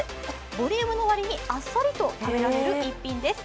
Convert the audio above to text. ボリュームのわりにあっさりと食べられる逸品です。